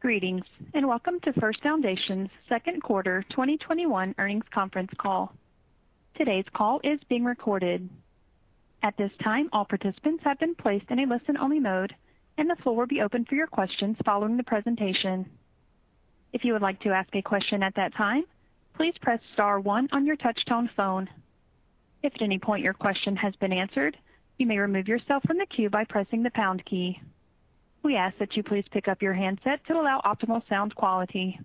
Greetings, and welcome to First Foundation's second quarter 2021 earnings conference call. Today's call is being recorded. At this time, all participants have been placed in a listen-only mode, and the floor will be open for your questions following the presentation. If you would like to ask a question at that time, please press star one on your touch-tone phone. If at any point your question has been answered, you may remove yourself from the queue by pressing the pound key. We ask that you please pick up your handset to allow optimal sound quality.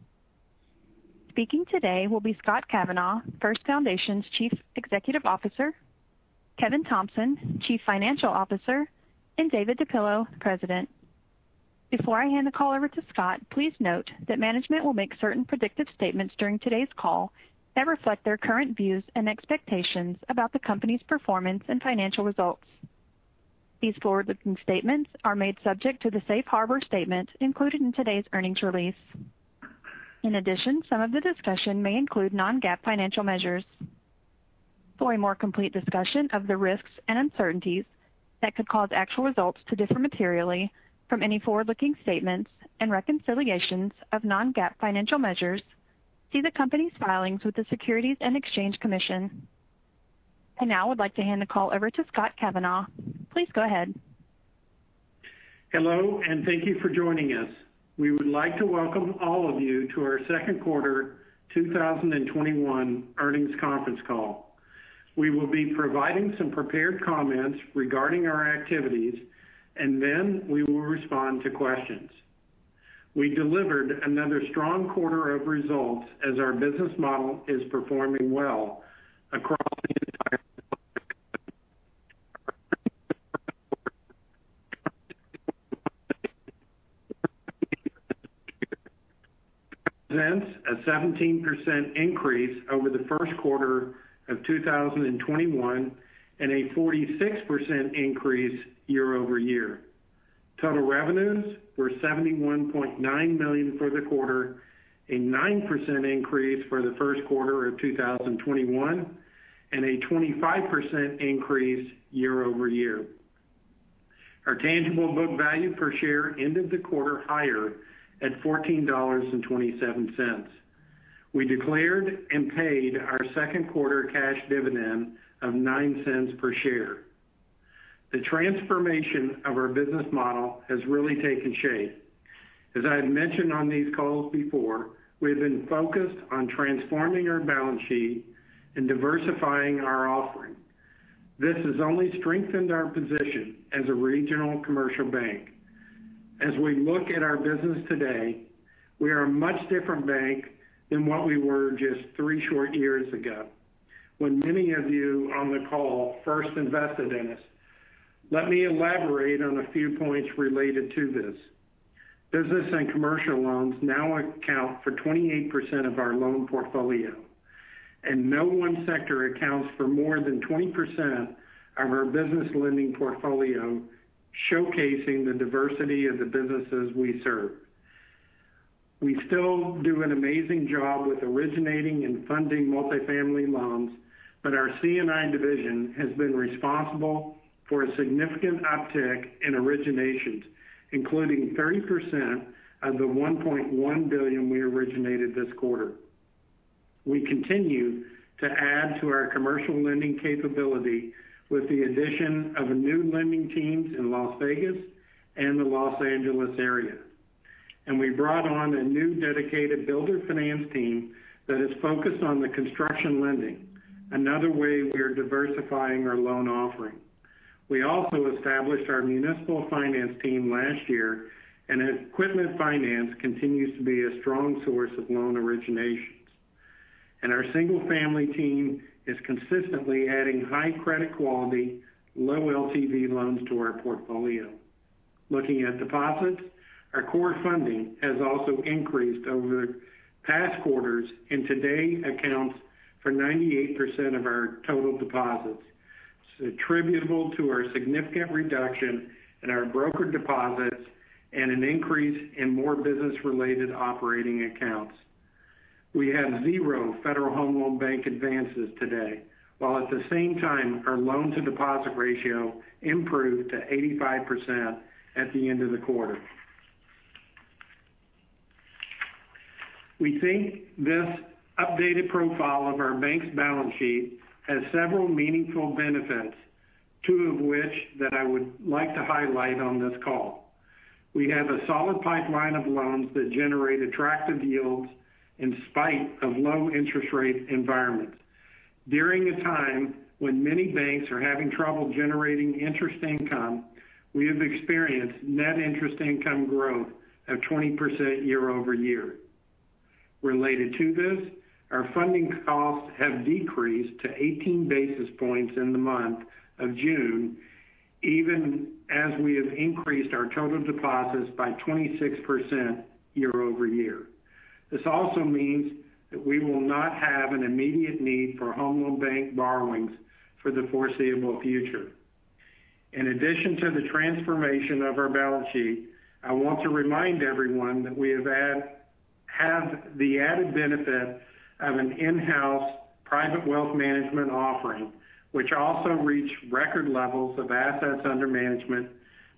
Speaking today will be Scott Kavanaugh, First Foundation's Chief Executive Officer, Kevin Thompson, Chief Financial Officer, and David DePillo, President. Before I hand the call over to Scott, please note that management will make certain predictive statements during today's call that reflect their current views and expectations about the company's performance and financial results. These forward-looking statements are made subject to the safe harbor statement included in today's earnings release. In addition, some of the discussion may include non-GAAP financial measures. For a more complete discussion of the risks and uncertainties that could cause actual results to differ materially from any forward-looking statements and reconciliations of non-GAAP financial measures, see the company's filings with the Securities and Exchange Commission. I now would like to hand the call over to Scott Kavanaugh. Please go ahead. Hello, and thank you for joining us. We would like to welcome all of you to our second quarter 2021 earnings conference call. We will be providing some prepared comments regarding our activities, and then we will respond to questions. We delivered another strong quarter of results as our business model is performing well across the entire presents a 17% increase over the first quarter of 2021 and a 46% increase year-over-year. Total revenues were $71.9 million for the quarter, a 9% increase for the first quarter of 2021, and a 25% increase year-over-year. Our tangible book value per share ended the quarter higher at $14.27. We declared and paid our second quarter cash dividend of $0.09 per share. The transformation of our business model has really taken shape. As I have mentioned on these calls before, we have been focused on transforming our balance sheet and diversifying our offering. This has only strengthened our position as a regional commercial bank. As we look at our business today, we are a much different bank than what we were just three short years ago when many of you on the call first invested in us. Let me elaborate on a few points related to this. Business and commercial loans now account for 28% of our loan portfolio, and no one sector accounts for more than 20% of our business lending portfolio, showcasing the diversity of the businesses we serve. We still do an amazing job with originating and funding multifamily loans, but our C&I division has been responsible for a significant uptick in originations, including 30% of the $1.1 billion we originated this quarter. We continue to add to our commercial lending capability with the addition of new lending teams in Las Vegas and the Los Angeles area. We brought on a new dedicated builder finance team that is focused on the construction lending, another way we are diversifying our loan offering. We also established our municipal finance team last year, and equipment finance continues to be a strong source of loan originations. Our single-family team is consistently adding high credit quality, low LTV loans to our portfolio. Looking at deposits, our core funding has also increased over the past quarters and today accounts for 98% of our total deposits. It's attributable to our significant reduction in our broker deposits and an increase in more business-related operating accounts. We have zero Federal Home Loan Bank advances today, while at the same time, our loan-to-deposit ratio improved to 85% at the end of the quarter. We think this updated profile of our bank's balance sheet has several meaningful benefits, two of which that I would like to highlight on this call. We have a solid pipeline of loans that generate attractive yields in spite of low interest rate environments. During a time when many banks are having trouble generating interest income, we have experienced net interest income growth of 20% year-over-year. Related to this, our funding costs have decreased to 18 basis points in the month of June, even as we have increased our total deposits by 26% year-over-year. This also means that we will not have an immediate need for home loan bank borrowings for the foreseeable future. In addition to the transformation of our balance sheet, I want to remind everyone that we have the added benefit of an in-house private wealth management offering, which also reached record levels of assets under management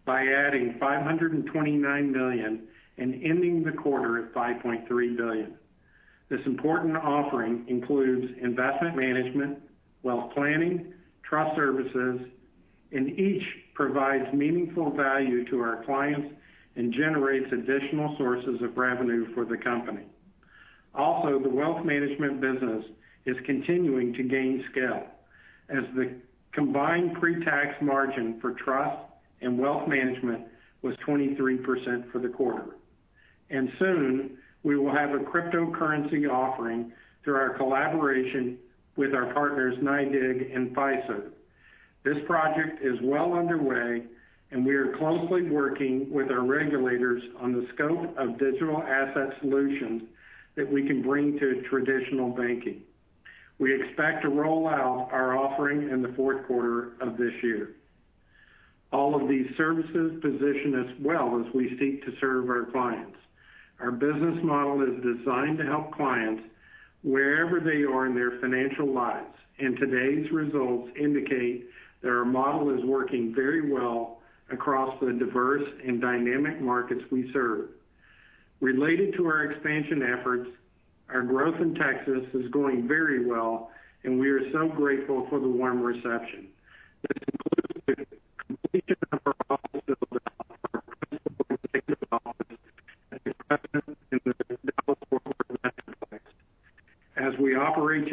by adding $529 million and ending the quarter at $5.3 billion. This important offering includes investment management, wealth planning, trust services, and each provides meaningful value to our clients and generates additional sources of revenue for the company. Also, the wealth management business is continuing to gain scale as the combined pre-tax margin for trust and wealth management was 23% for the quarter. Soon, we will have a cryptocurrency offering through our collaboration with our partners, NYDIG and Fiserv. This project is well underway and we are closely working with our regulators on the scope of digital asset solutions that we can bring to traditional banking. We expect to roll out our offering in the fourth quarter of this year. All of these services position us well as we seek to serve our clients. Our business model is designed to help clients wherever they are in their financial lives. Today's results indicate that our model is working very well across the diverse and dynamic markets we serve. Related to our expansion efforts, our growth in Texas is going very well, and we are so grateful for the warm reception. This includes the completion of our office in the Dallas-Fort Worth metroplex. As we operate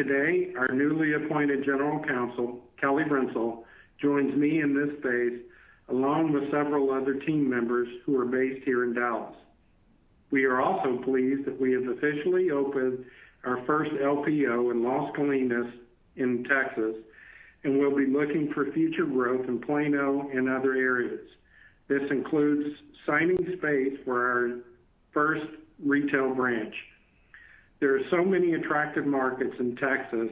today, our newly appointed General Counsel, Kelly Rentzel, joins me in this space, along with several other team members who are based here in Dallas. We are also pleased that we have officially opened our first LPO in Las Colinas in Texas, and we'll be looking for future growth in Plano and other areas. This includes signing space for our first retail branch. There are so many attractive markets in Texas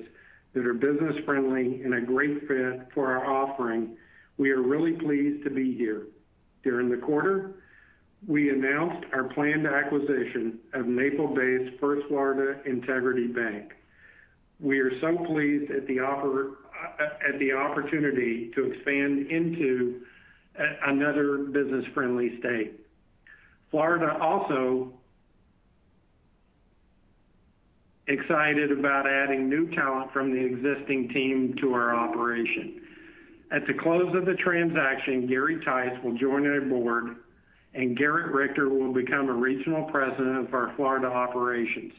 that are business-friendly and a great fit for our offering. We are really pleased to be here. During the quarter, we announced our planned acquisition of Naples-based First Florida Integrity Bank. We are so pleased at the opportunity to expand into another business-friendly state. Florida also excited about adding new talent from the existing team to our operation. At the close of the transaction, Gary Tice will join our board, and Garrett Richter will become a regional president of our Florida operations.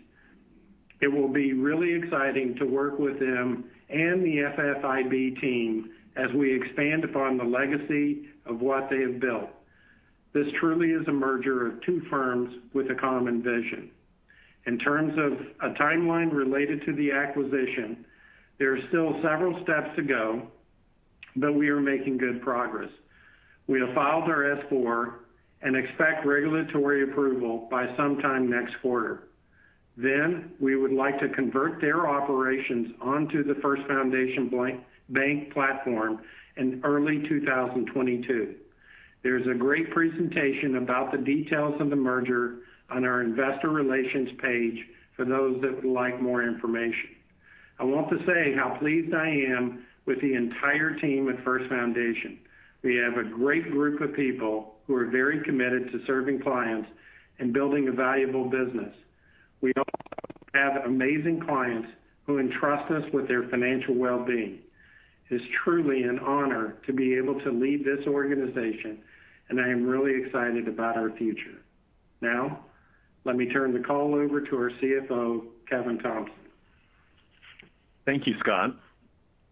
It will be really exciting to work with them and the FFIB team as we expand upon the legacy of what they have built. This truly is a merger of two firms with a common vision. In terms of a timeline related to the acquisition, there are still several steps to go, but we are making good progress. We have filed our S-4 and expect regulatory approval by sometime next quarter. We would like to convert their operations onto the First Foundation Bank platform in early 2022. There's a great presentation about the details of the merger on our investor relations page for those that would like more information. I want to say how pleased I am with the entire team at First Foundation. We have a great group of people who are very committed to serving clients and building a valuable business. We also have amazing clients who entrust us with their financial well-being. It is truly an honor to be able to lead this organization, and I am really excited about our future. Now, let me turn the call over to our CFO, Kevin Thompson. Thank you, Scott.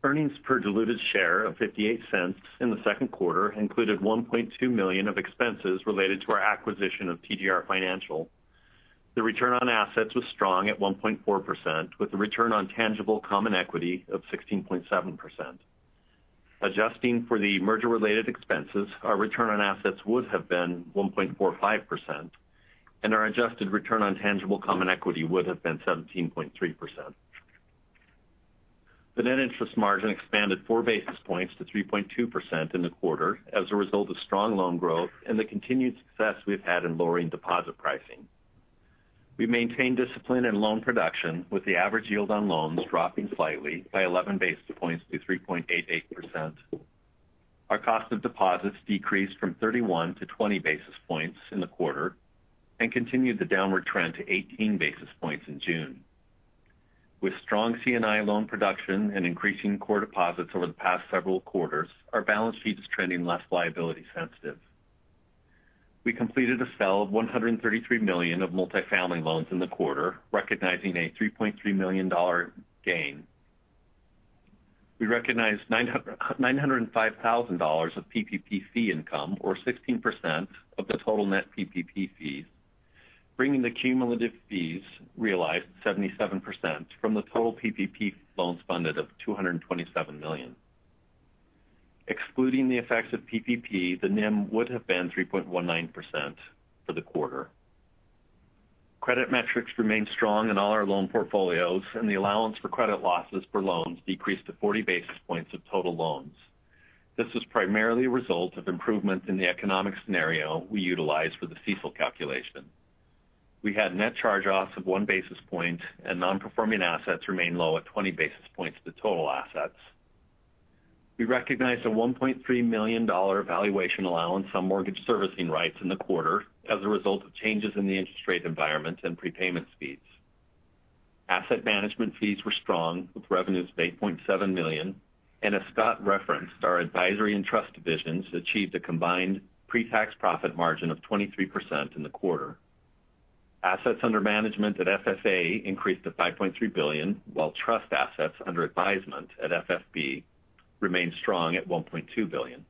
Earnings per diluted share of $0.58 in the second quarter included $1.2 million of expenses related to our acquisition of TGR Financial. The return on assets was strong at 1.4%, with a return on tangible common equity of 16.7%. Adjusting for the merger-related expenses, our return on assets would have been 1.45%, and our adjusted return on tangible common equity would have been 17.3%. The net interest margin expanded 4 basis points to 3.2% in the quarter as a result of strong loan growth and the continued success we've had in lowering deposit pricing. We've maintained discipline in loan production, with the average yield on loans dropping slightly by 11 basis points to 3.88%. Our cost of deposits decreased from 31-20 basis points in the quarter and continued the downward trend to 18 basis points in June. With strong C&I loan production and increasing core deposits over the past several quarters, our balance sheet is trending less liability sensitive. We completed a sell of $133 million of multifamily loans in the quarter, recognizing a $3.3 million gain. We recognized $905,000 of PPP fee income or 16% of the total net PPP fees, bringing the cumulative fees realized 77% from the total PPP loans funded of $227 million. Excluding the effects of PPP, the NIM would have been 3.19% for the quarter. Credit metrics remained strong in all our loan portfolios, and the allowance for credit losses for loans decreased to 40 basis points of total loans. This was primarily a result of improvements in the economic scenario we utilized for the CECL calculation. We had net charge-offs of 1 basis point, and non-performing assets remained low at 20 basis points to total assets. We recognized a $1.3 million valuation allowance on mortgage servicing rights in the quarter as a result of changes in the interest rate environment and prepayment speeds. Asset management fees were strong, with revenues of $8.7 million, and as Scott referenced, our advisory and trust divisions achieved a combined pre-tax profit margin of 23% in the quarter. Assets under management at FFA increased to $5.3 billion, while trust assets under advisement at FFB remained strong at $1.2 billion.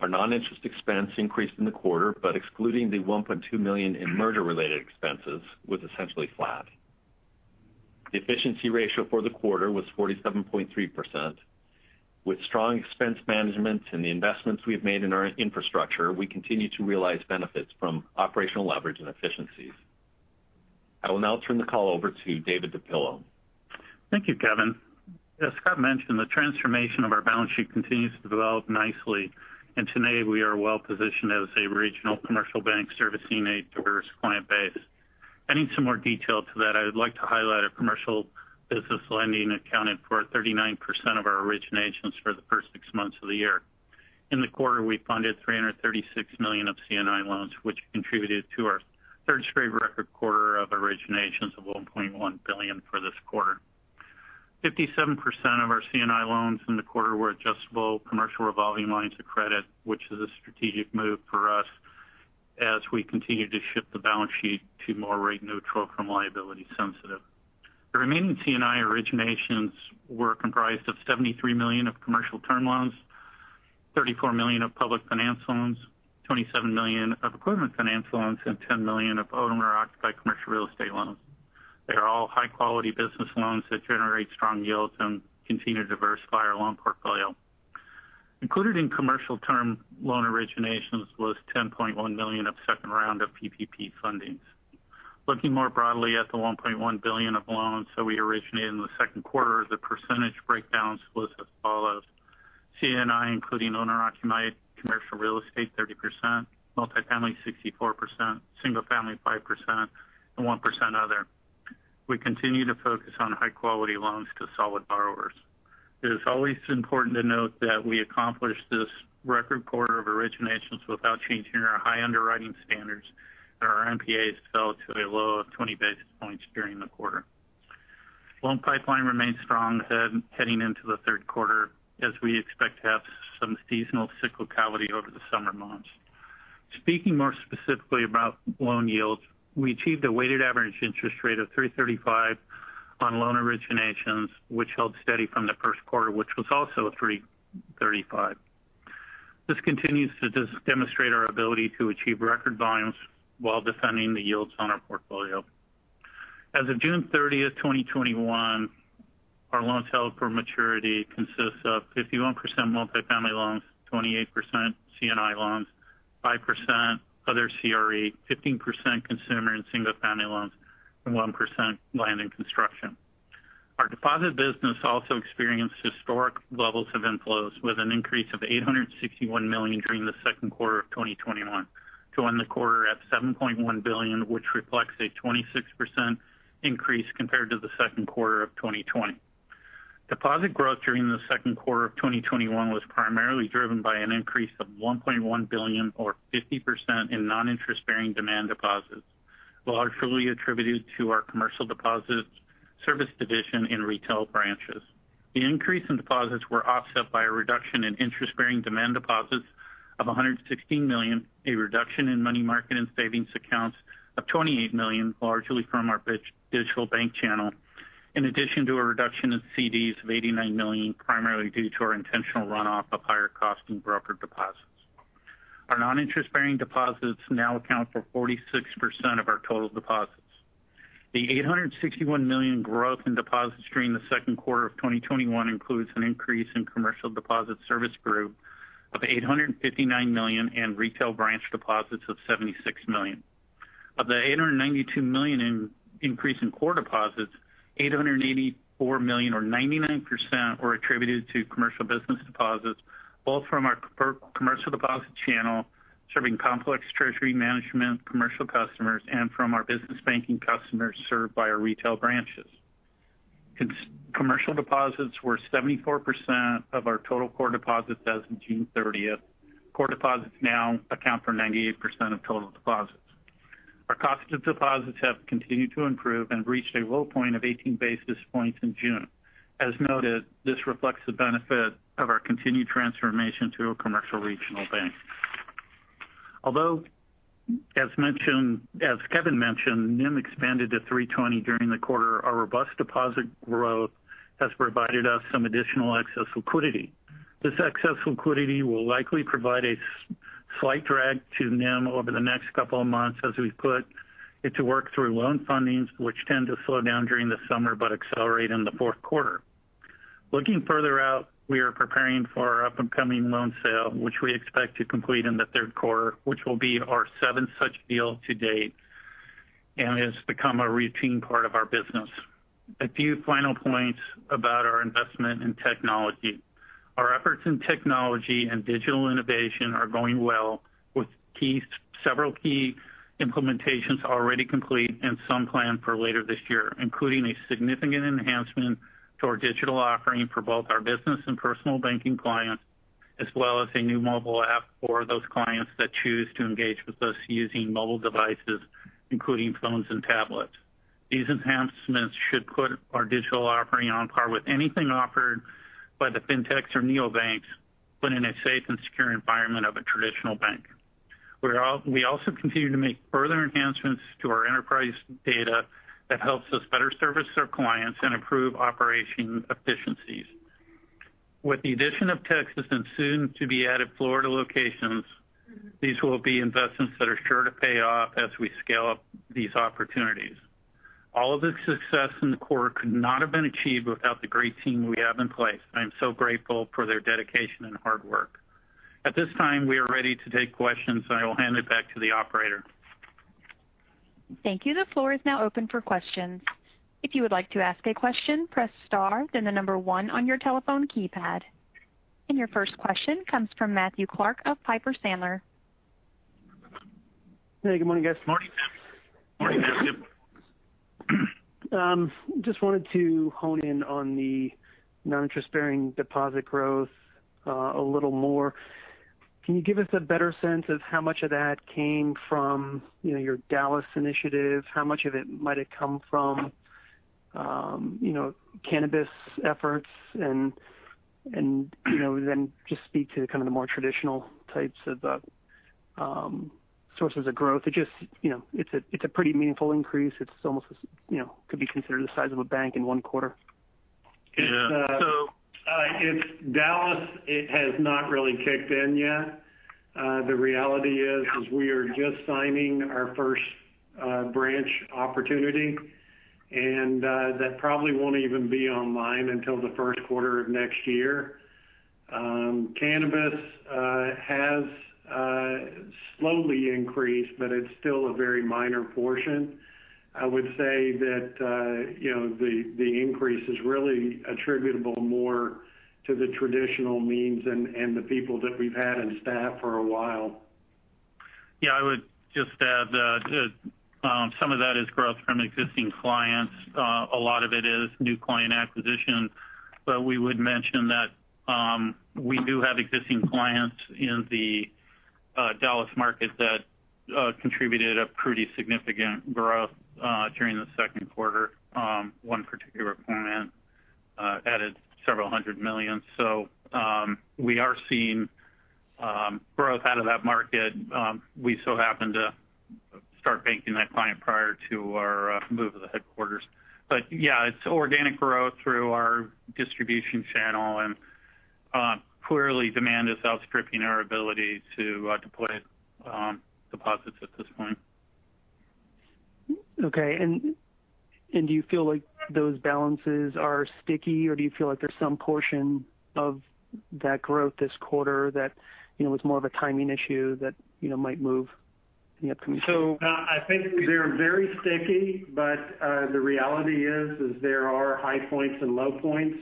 Our non-interest expense increased in the quarter, but excluding the $1.2 million in merger-related expenses, was essentially flat. The efficiency ratio for the quarter was 47.3%. With strong expense management and the investments we have made in our infrastructure, we continue to realize benefits from operational leverage and efficiencies. I will now turn the call over to David DePillo. Thank you, Kevin. As Scott mentioned, the transformation of our balance sheet continues to develop nicely, and today we are well-positioned as a regional commercial bank servicing a diverse client base. Adding some more detail to that, I would like to highlight our commercial business lending accounted for 39% of our originations for the first six months of the year. In the quarter, we funded $336 million of C&I loans, which contributed to our third straight record quarter of originations of $1.1 billion for this quarter. 57% of our C&I loans in the quarter were adjustable commercial revolving lines of credit, which is a strategic move for us as we continue to shift the balance sheet to more rate neutral from liability sensitive. The remaining C&I originations were comprised of $73 million of commercial term loans, $34 million of public finance loans, $27 million of equipment finance loans, and $10 million of owner-occupied commercial real estate loans. They are all high-quality business loans that generate strong yields and continue to diversify our loan portfolio. Included in commercial term loan originations was $10.1 million of second round of PPP fundings. Looking more broadly at the $1.1 billion of loans that we originated in the second quarter, the percentage breakdowns was as follows: C&I including owner-occupied commercial real estate 30%, multifamily 64%, single family 5%, and 1% other. We continue to focus on high-quality loans to solid borrowers. It is always important to note that we accomplished this record quarter of originations without changing our high underwriting standards, and our NPAs fell to a low of 20 basis points during the quarter. Loan pipeline remains strong heading into the third quarter, as we expect to have some seasonal cyclicality over the summer months. Speaking more specifically about loan yields, we achieved a weighted average interest rate of 335 on loan originations, which held steady from the first quarter, which was also a 335. This continues to demonstrate our ability to achieve record volumes while defending the yields on our portfolio. As of June 30, 2021, our loans held for maturity consists of 51% multifamily loans, 28% C&I loans, 5% other CRE, 15% consumer and single family loans, and 1% land and construction. Our deposit business also experienced historic levels of inflows with an increase of $861 million during the second quarter of 2021 to end the quarter at $7.1 billion, which reflects a 26% increase compared to the second quarter of 2020. Deposit growth during the second quarter of 2021 was primarily driven by an increase of $1.1 billion or 50% in non-interest-bearing demand deposits, largely attributed to our commercial deposits service division in retail branches. The increase in deposits were offset by a reduction in interest-bearing demand deposits of $116 million, a reduction in money market and savings accounts of $28 million, largely from our digital bank channel, in addition to a reduction in CDs of $89 million, primarily due to our intentional runoff of higher cost and broker deposits. Our non-interest-bearing deposits now account for 46% of our total deposits. The $861 million growth in deposits during the second quarter of 2021 includes an increase in commercial deposit service group of $859 million and retail branch deposits of $76 million. Of the $892 million increase in core deposits, $884 million or 99% were attributed to commercial business deposits, both from our commercial deposit channel serving complex treasury management commercial customers and from our business banking customers served by our retail branches. Commercial deposits were 74% of our total core deposits as of June 30th. Core deposits now account for 98% of total deposits. Our cost of deposits have continued to improve and reached a low point of 18 basis points in June. As noted, this reflects the benefit of our continued transformation to a commercial regional bank. Although, as Kevin mentioned, NIM expanded to 320 during the quarter, our robust deposit growth has provided us some additional excess liquidity. This excess liquidity will likely provide a slight drag to NIM over the next couple of months as we put it to work through loan fundings, which tend to slow down during the summer but accelerate in the fourth quarter. Looking further out, we are preparing for our up-and-coming loan sale, which we expect to complete in the third quarter, which will be our seventh such deal to date and has become a routine part of our business. A few final points about our investment in technology. Our efforts in technology and digital innovation are going well with several key implementations already complete and some planned for later this year, including a significant enhancement to our digital offering for both our business and personal banking clients, as well as a new mobile app for those clients that choose to engage with us using mobile devices, including phones and tablets. These enhancements should put our digital offering on par with anything offered by the fintechs or neobanks, but in a safe and secure environment of a traditional bank. We also continue to make further enhancements to our enterprise data that helps us better service our clients and improve operation efficiencies. With the addition of Texas and soon to be added Florida locations, these will be investments that are sure to pay off as we scale up these opportunities. All of this success in the core could not have been achieved without the great team we have in place. I am so grateful for their dedication and hard work. At this time, we are ready to take questions. I will hand it back to the operator. Thank you. The floor is now open for questions. If you would like to ask a question, press star, then the number one on your telephone keypad. Your first question comes from Matthew Clark of Piper Sandler. Hey, good morning, guys. Morning, Matt. Morning, Matthew. Just wanted to hone in on the non-interest-bearing deposit growth a little more. Can you give us a better sense of how much of that came from your Dallas initiative? How much of it might it come from cannabis efforts and then just speak to kind of the more traditional types of sources of growth. It's a pretty meaningful increase. It could be considered the size of a bank in one quarter. Yeah. It's Dallas. It has not really kicked in yet. The reality is we are just signing our first branch opportunity, and that probably won't even be online until the first quarter of next year. Cannabis has slowly increased, but it's still a very minor portion. I would say that the increase is really attributable more to the traditional means and the people that we've had in staff for a while. Yeah, I would just add that some of that is growth from existing clients. A lot of it is new client acquisition, but we would mention that we do have existing clients in the Dallas market that contributed a pretty significant growth during the second quarter. One particular client added several hundred million. We are seeing growth out of that market. We so happened to start banking that client prior to our move of the headquarters. Yeah, it's organic growth through our distribution channel, and clearly demand is outstripping our ability to deploy deposits at this point. Okay. Do you feel like those balances are sticky? Or do you feel like there's some portion of that growth this quarter that was more of a timing issue that might move in the upcoming quarter? I think they're very sticky, but the reality is there are high points and low points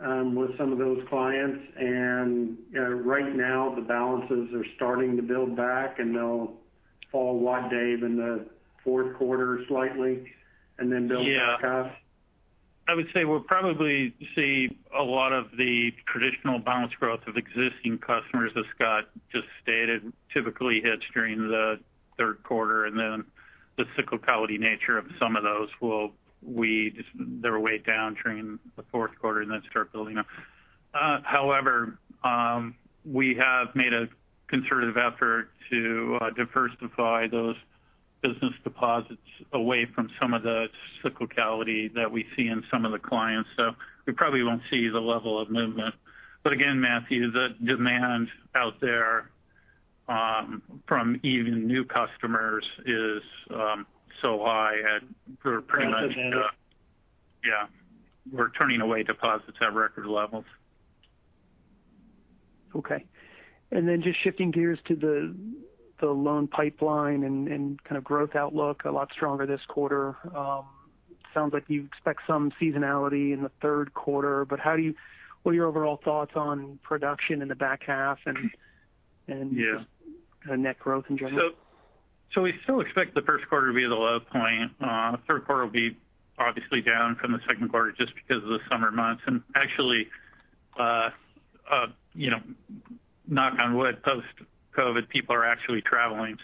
with some of those clients. Right now, the balances are starting to build back, and they'll fall back, Dave, in the fourth quarter slightly, and then build back up. Yeah. I would say we'll probably see a lot of the traditional balance growth of existing customers as Scott just stated, typically hits during the third quarter, and then the cyclicality nature of some of those will weed their way down during the fourth quarter and then start building up. However, we have made a conservative effort to diversify those business deposits away from some of the cyclicality that we see in some of the clients. So we probably won't see the level of movement. Again, Matthew, the demand out there from even new customers is so high. Yeah. We're turning away deposits at record levels. Okay. Just shifting gears to the loan pipeline and kind of growth outlook, a lot stronger this quarter. Sounds like you expect some seasonality in the third quarter. What are your overall thoughts on production in the back half? Yeah And the net growth in general? We still expect the first quarter to be the low point. Third quarter will be obviously down from the second quarter just because of the summer months. Actually, knock on wood, post-COVID, people are actually traveling.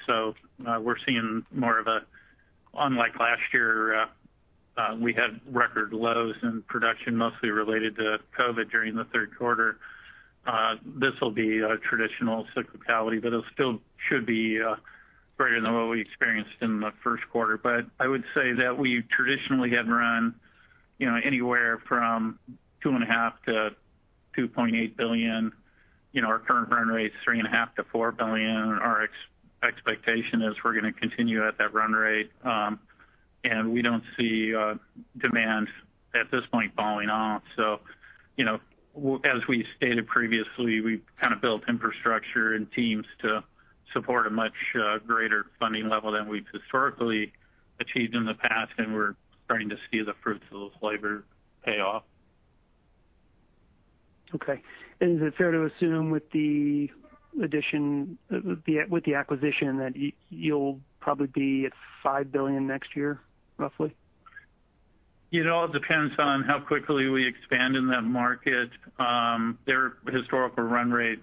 Unlike last year, we had record lows in production, mostly related to COVID during the third quarter. This will be a traditional cyclicality, but it still should be greater than what we experienced in the first quarter. I would say that we traditionally have run anywhere from $2.5 billion-$2.8 billion. Our current run rate is $3.5 billion-$4 billion. Our expectation is we're going to continue at that run rate. We don't see demand at this point falling off. As we stated previously, we've kind of built infrastructure and teams to support a much greater funding level than we've historically achieved in the past, and we're starting to see the fruits of those labor pay off. Okay. Is it fair to assume with the acquisition that you'll probably be at $5 billion next year, roughly? It all depends on how quickly we expand in that market. Their historical run rate,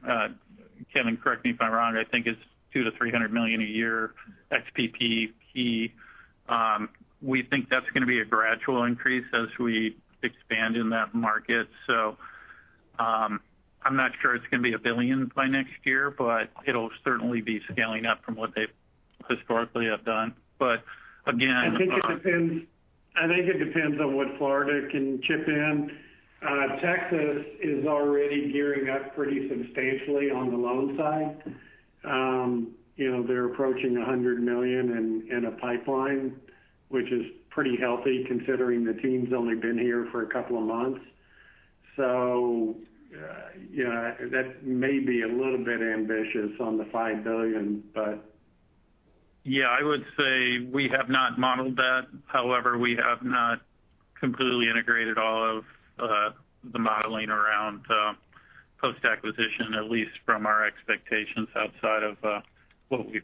Kevin, correct me if I'm wrong, I think is $200 million-$300 million a year ex PPP. We think that's going to be a gradual increase as we expand in that market. I'm not sure it's going to be $1 billion by next year, but it'll certainly be scaling up from what they historically have done. I think it depends on what Florida can chip in. Texas is already gearing up pretty substantially on the loan side. They're approaching $100 million in a pipeline, which is pretty healthy considering the team's only been here for a couple of months. That may be a little bit ambitious on the $5 billion. Yeah, I would say we have not modeled that. We have not completely integrated all of the modeling around post-acquisition, at least from our expectations outside of what we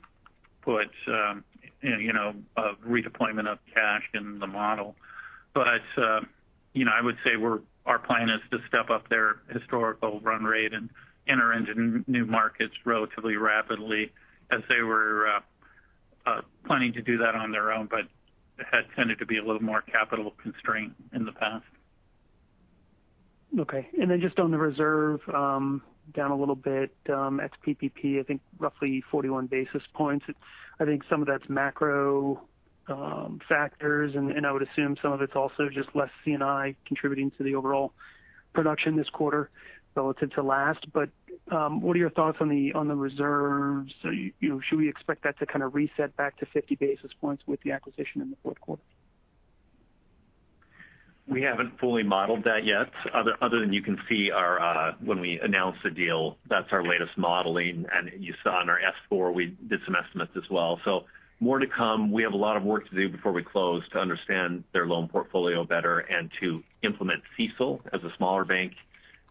put, of re-deployment of cash in the model. I would say our plan is to step up their historical run rate and enter into new markets relatively rapidly as they were planning to do that on their own, but had tended to be a little more capital constrained in the past. Okay. Just on the reserve, down a little bit, ex PPP, I think roughly 41 basis points. I think some of that's macro factors and I would assume some of it's also just less C&I contributing to the overall production this quarter relative to last. What are your thoughts on the reserves? Should we expect that to kind of reset back to 50 basis points with the acquisition? We haven't fully modeled that yet, other than you can see when we announce the deal, that's our latest modeling. You saw in our S-4, we did some estimates as well. More to come. We have a lot of work to do before we close to understand their loan portfolio better and to implement CECL. As a smaller bank,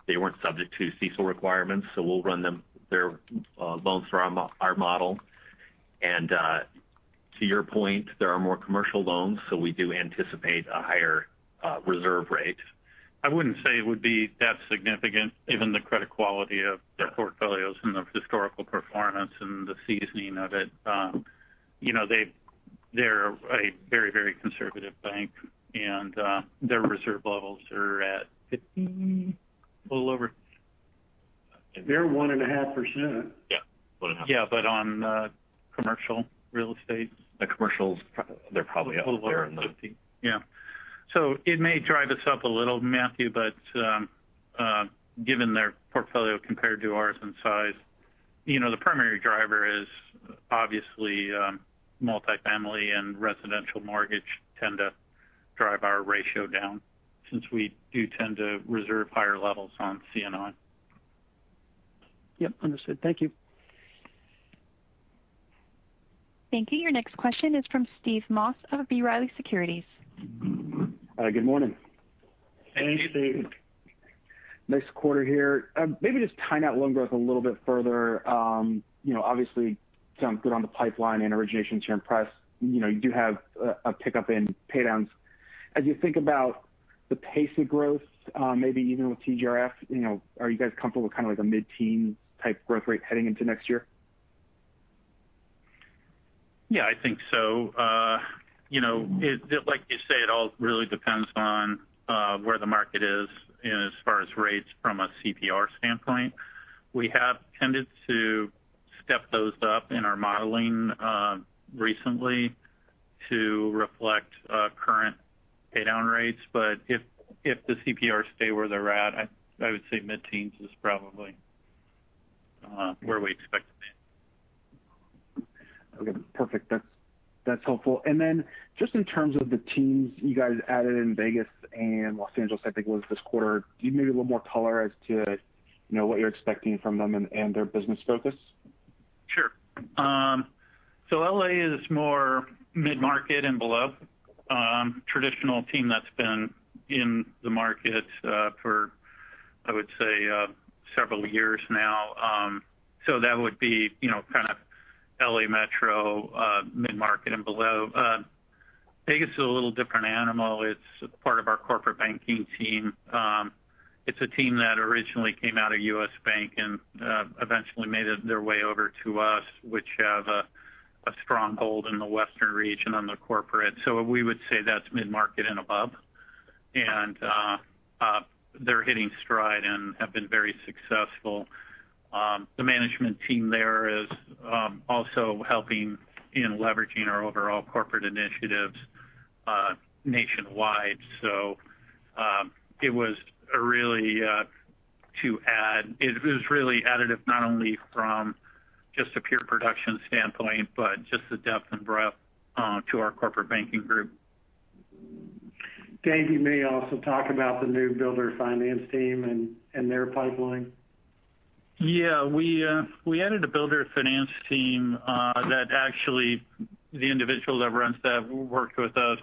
they weren't subject to CECL requirements, so we'll run their loans around our model. To your point, there are more commercial loans, so we do anticipate a higher reserve rate. I wouldn't say it would be that significant, given the credit quality of their portfolios and the historical performance and the seasoning of it. They're a very conservative bank and their reserve levels are at 15. They're 1.5%. Yeah, 1.5. Yeah, but on commercial real estate. The commercials, they're probably up there in the- Yeah. It may drive us up a little, Matthew, but given their portfolio compared to ours in size, the primary driver is obviously multifamily and residential mortgage tend to drive our ratio down since we do tend to reserve higher levels on C&I. Yep, understood. Thank you. Thank you. Your next question is from Steve Moss of B. Riley Securities. Hi, good morning. Hey, Steve. Nice quarter here. Maybe just tying out loan growth a little bit further. Obviously, sounds good on the pipeline and originations here in press. You do have a pickup in pay-downs. As you think about the pace of growth, maybe even with TGRF, are you guys comfortable with kind of like a mid-teen type growth rate heading into next year? Yeah, I think so. Like you say, it all really depends on where the market is as far as rates from a CPR standpoint. We have tended to step those up in our modeling recently to reflect current pay-down rates. If the CPR stay where they're at, I would say mid-teens is probably where we expect to be. Okay, perfect. That's helpful. Just in terms of the teams you guys added in Vegas and Los Angeles, I think it was this quarter, give maybe a little more color as to what you're expecting from them and their business focus? Sure. L.A. is more mid-market and below. Traditional team that's been in the market for, I would say, several years now. That would be kind of L.A. Metro, mid-market and below. Vegas is a little different animal. It's part of our corporate banking team. It's a team that originally came out of U.S. Bank and eventually made their way over to us, which have a strong hold in the Western region on the corporate. We would say that's mid-market and above. They're hitting stride and have been very successful. The management team there is also helping in leveraging our overall corporate initiatives nationwide. To add, it was really additive not only from just a pure production standpoint, but just the depth and breadth to our corporate banking group. Dave, you may also talk about the new builder finance team and their pipeline. We added a builder finance team that actually the individual that runs that worked with us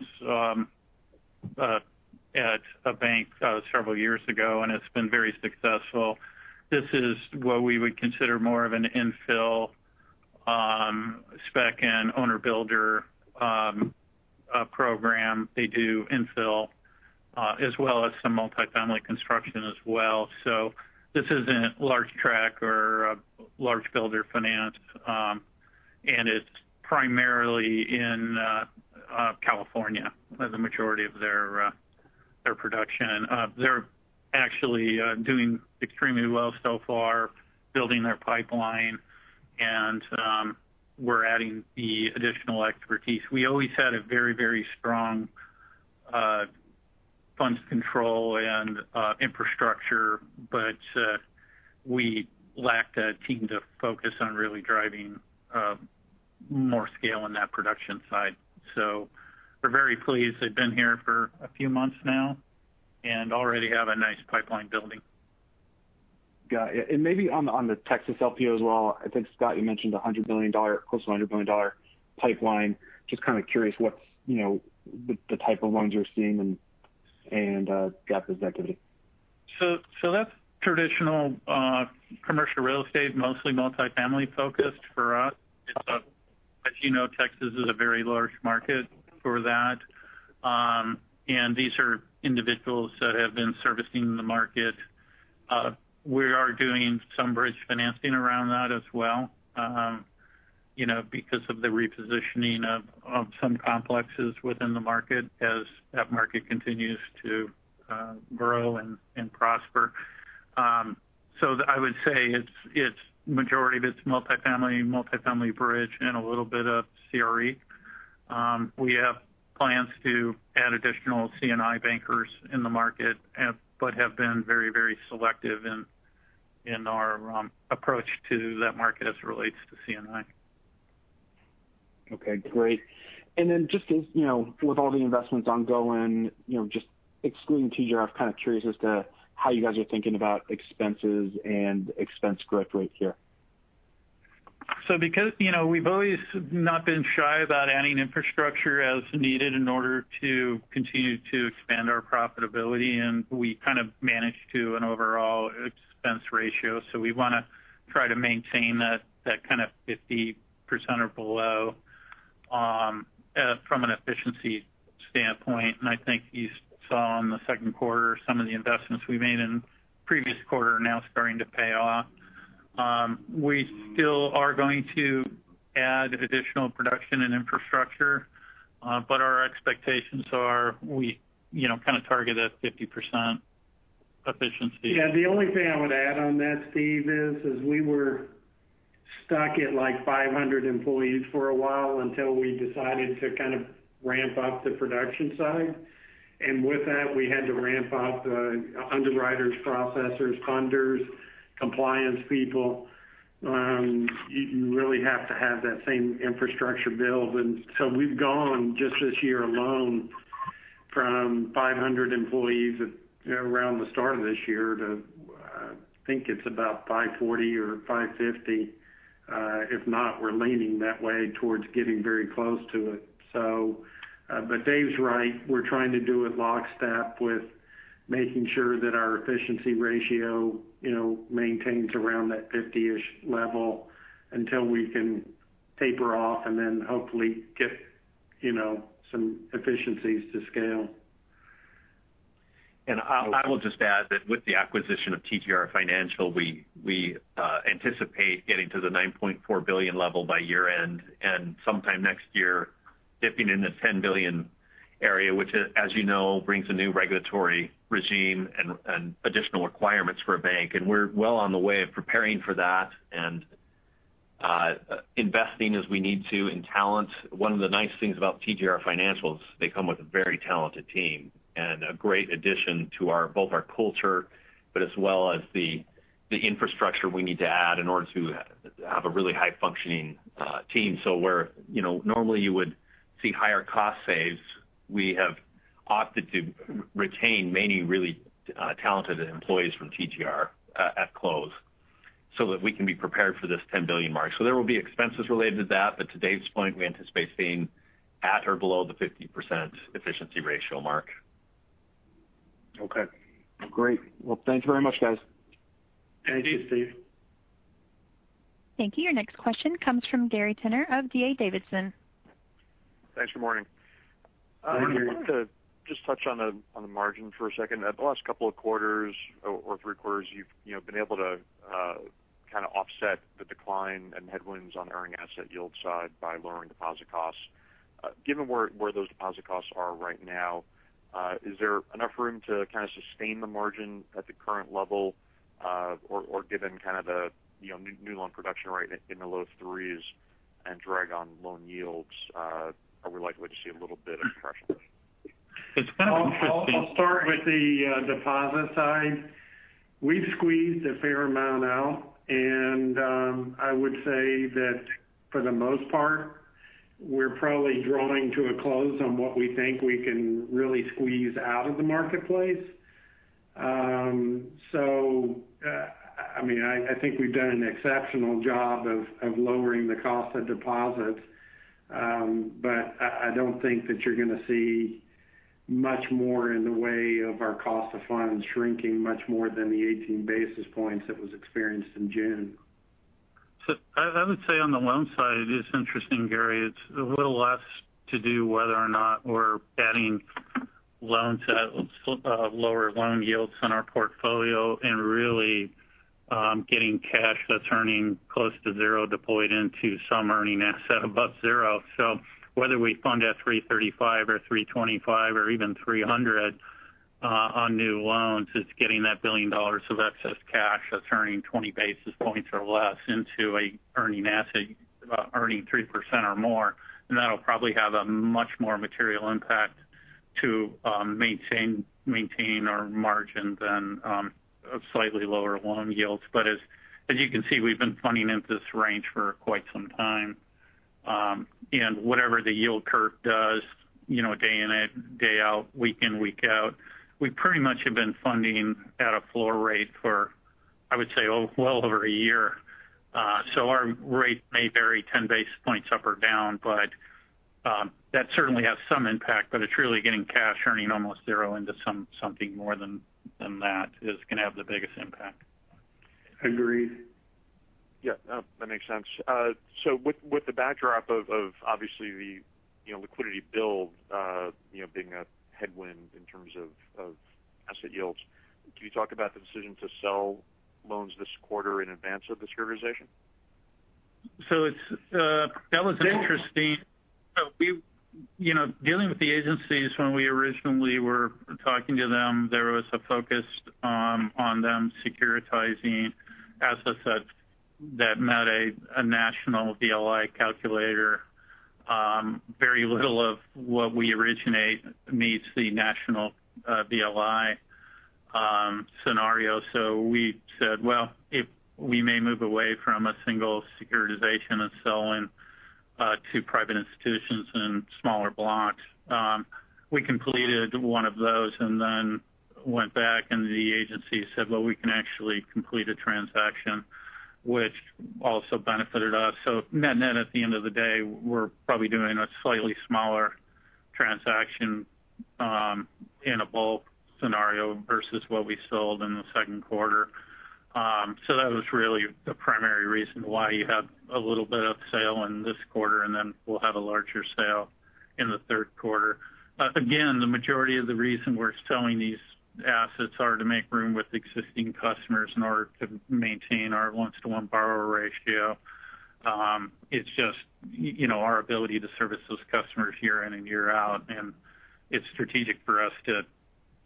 at a bank several years ago, and it's been very successful. This is what we would consider more of an infill, spec and owner builder program. They do infill as well as some multifamily construction as well. This isn't large track or a large builder finance. It's primarily in California, the majority of their production. They're actually doing extremely well so far, building their pipeline, and we're adding the additional expertise. We always had a very strong funds control and infrastructure, but we lacked a team to focus on really driving more scale in that production side. We're very pleased. They've been here for a few months now and already have a nice pipeline building. Got it. Maybe on the Texas LPO as well, I think, Scott, you mentioned close to $100 billion pipeline. Just kind of curious what's the type of loans you're seeing and C&I exactly. That's traditional commercial real estate, mostly multifamily-focused for us. As you know, Texas is a very large market for that. These are individuals that have been servicing the market. We are doing some bridge financing around that as well because of the repositioning of some complexes within the market as that market continues to grow and prosper. I would say majority of it's multifamily bridge, and a little bit of CRE. We have plans to add additional C&I bankers in the market but have been very selective in our approach to that market as it relates to C&I. Okay, great. Just with all the investments ongoing, just excluding TGR, I was kind of curious as to how you guys are thinking about expenses and expense growth rate here. Because we've always not been shy about adding infrastructure as needed in order to continue to expand our profitability, and we kind of manage to an overall expense ratio. We want to try to maintain that kind of 50% or below from an efficiency standpoint. I think you saw in the second quarter some of the investments we made in the previous quarter are now starting to pay off. We still are going to add additional production and infrastructure. Our expectations are we kind of target that 50% efficiency. Yeah, the only thing I would add on that, Steve, is we were stuck at 500 employees for a while until we decided to kind of ramp up the production side. With that, we had to ramp up the underwriters, processors, funders, compliance people. You really have to have that same infrastructure build. We've gone just this year alone from 500 employees around the start of this year to, I think it's about 540 or 550. If not, we're leaning that way towards getting very close to it. David's right. We're trying to do it lockstep with making sure that our efficiency ratio maintains around that 50-ish level until we can taper off and then hopefully get some efficiencies to scale. I will just add that with the acquisition of TGR Financial, we anticipate getting to the $9.4 billion level by year-end, sometime next year dipping in the $10 billion area, which as you know brings a new regulatory regime and additional requirements for a bank. We're well on the way of preparing for that and investing as we need to in talent. One of the nice things about TGR Financial is they come with a very talented team and a great addition to both our culture, but as well as the infrastructure we need to add in order to have a really high-functioning team. Where normally you would see higher cost saves, we have opted to retain many really talented employees from TGR at close so that we can be prepared for this $10 billion mark. There will be expenses related to that. To Dave's point, we anticipate staying at or below the 50% efficiency ratio mark. Okay, great. Well, thanks very much, guys. Thank you, Steve. Thank you. Your next question comes from Gary Tenner of D.A. Davidson. Thanks. Good morning. Good morning. I'd like to just touch on the margin for a second. The last couple of quarters or three quarters, you've been able to kind of offset the decline and headwinds on earning asset yield side by lowering deposit costs. Given where those deposit costs are right now, is there enough room to kind of sustain the margin at the current level? Given kind of the new loan production rate in the low threes and drag on loan yields, are we likely to see a little bit of pressure there? It's kind of interesting. I'll start with the deposit side. We've squeezed a fair amount out. I would say that for the most part, we're probably drawing to a close on what we think we can really squeeze out of the marketplace. I think we've done an exceptional job of lowering the cost of deposits. I don't think that you're going to see much more in the way of our cost of funds shrinking much more than the 18 basis points that was experienced in June. I would say on the loan side, it is interesting, Gary Tenner. It's a little less to do whether or not we're adding loans at lower loan yields on our portfolio and really getting cash that's earning close to zero deployed into some earning asset above zero. Whether we fund at 335 or 325 or even 300 on new loans, it's getting that $1 billion of excess cash that's earning 20 basis points or less into an earning asset, earning 3% or more. That'll probably have a much more material impact to maintain our margin than slightly lower loan yields. As you can see, we've been funding at this range for quite some time. Whatever the yield curve does, day in and day out, week in, week out, we pretty much have been funding at a floor rate for, I would say, well over a year. Our rate may vary 10 basis points up or down, but that certainly has some impact. It's really getting cash earning almost zero into something more than that is going to have the biggest impact. Agreed. Yeah. No, that makes sense. With the backdrop of obviously the liquidity build being a headwind in terms of asset yields, can you talk about the decision to sell loans this quarter in advance of the securitization? That was interesting. Dealing with the agencies when we originally were talking to them, there was a focus on them securitizing asset sets that met a national VLI calculator. Very little of what we originate meets the national VLI scenario. We said, well, if we may move away from a single securitization and selling to private institutions in smaller blocks. We completed one of those and then went back and the agency said, "Well, we can actually complete a transaction," which also benefited us. Net-net, at the end of the day, we're probably doing a slightly smaller transaction in a bulk scenario versus what we sold in the second quarter. That was really the primary reason why you have a little bit of sale in this quarter, and then we'll have a larger sale in the third quarter. The majority of the reason we're selling these assets are to make room with existing customers in order to maintain our loans-to-one borrower ratio. It's just our ability to service those customers year in and year out. It's strategic for us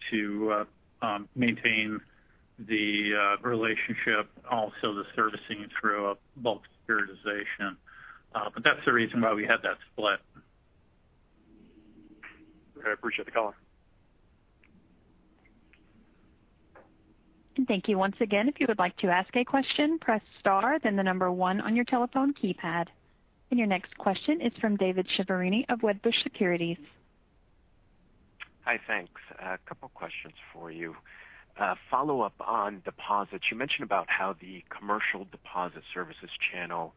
to maintain the relationship, also the servicing through a bulk securitization. That's the reason why we had that split. Okay. I appreciate the call. Thank you once again. If you would like to ask a question, press star, then the number one on your telephone keypad. Your next question is from David Chiaverini of Wedbush Securities. Hi, thanks. A couple questions for you. A follow-up on deposits. You mentioned about how the commercial deposit services channel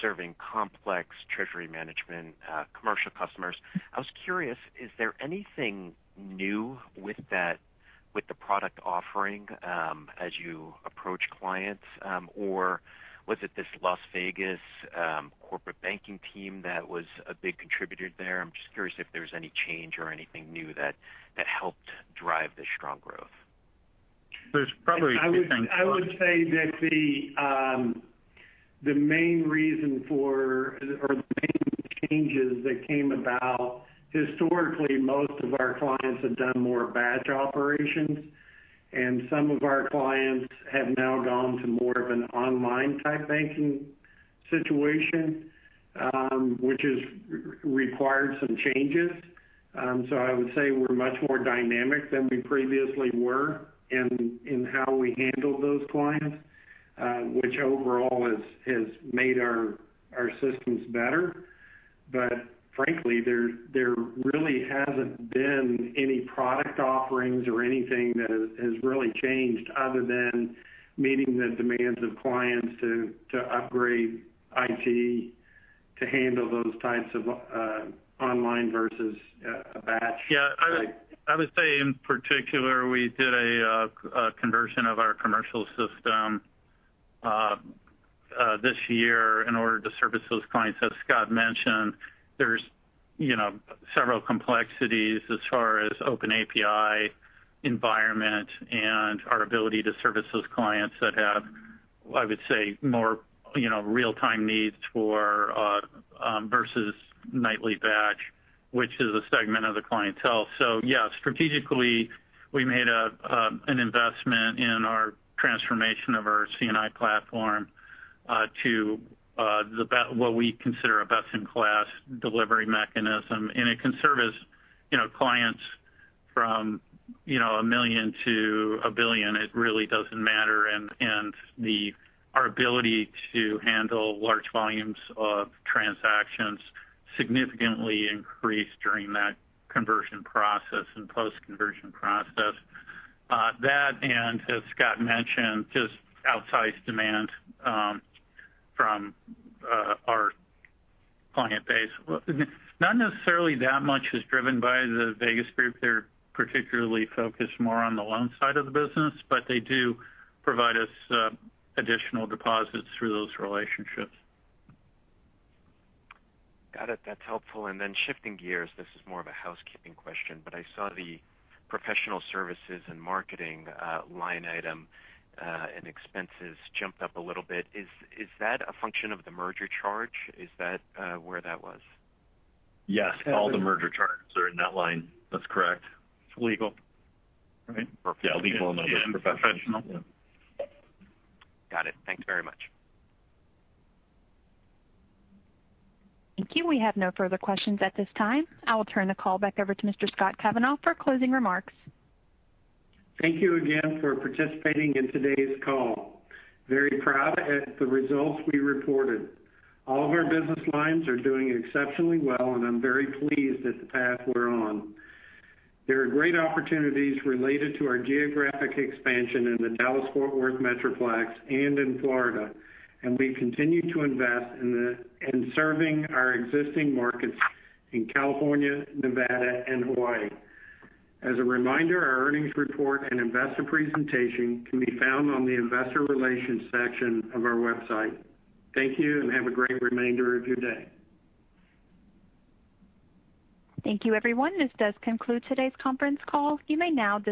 serving complex treasury management commercial customers. I was curious, is there anything new with the product offering as you approach clients? Was it this Las Vegas corporate banking team that was a big contributor there? I'm just curious if there was any change or anything new that helped drive the strong growth. There's probably two things. I would say that the main reason for, or the main changes that came about, historically, most of our clients have done more batch operations, and some of our clients have now gone to more of an online-type banking situation, which has required some changes. I would say we're much more dynamic than we previously were in how we handle those clients, which overall has made our systems better. Frankly, there really hasn't been any product offerings or anything that has really changed other than meeting the demands of clients to upgrade IT to handle those types of online versus a batch. I would say in particular, we did a conversion of our commercial system this year in order to service those clients. As Scott mentioned, there's several complexities as far as open API environment and our ability to service those clients that have, I would say, more real-time needs versus nightly batch, which is a segment of the clientele. Strategically, we made an investment in our transformation of our C&I platform, to what we consider a best-in-class delivery mechanism. It can service clients from a million to a billion, it really doesn't matter. Our ability to handle large volumes of transactions significantly increased during that conversion process and post-conversion process. That, and as Scott mentioned, just outsized demand from our client base. Not necessarily that much is driven by the Vegas group. They're particularly focused more on the loan side of the business, but they do provide us additional deposits through those relationships. Got it. That's helpful. Shifting gears, this is more of a housekeeping question, but I saw the professional services and marketing line item and expenses jumped up a little bit. Is that a function of the merger charge? Is that where that was? Yes. All the merger charges are in that line. That's correct. It's legal, right? Yeah, legal and then professional. Got it. Thanks very much. Thank you. We have no further questions at this time. I will turn the call back over to Mr. Scott Kavanaugh for closing remarks. Thank you again for participating in today's call. Very proud at the results we reported. All of our business lines are doing exceptionally well, and I'm very pleased at the path we're on. There are great opportunities related to our geographic expansion in the Dallas-Fort Worth Metroplex and in Florida, and we continue to invest in serving our existing markets in California, Nevada, and Hawaii. As a reminder, our earnings report and investor presentation can be found on the investor relations section of our website. Thank you, and have a great remainder of your day. Thank you, everyone. This does conclude today's conference call. You may now disconnect.